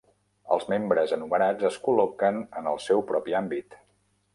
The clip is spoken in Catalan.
El membres enumerats es col·loquen en el seu propi àmbit.